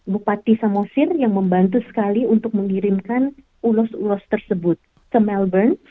bupati samosir yang membantu sekali untuk mengirimkan ulos ulos tersebut ke melbourne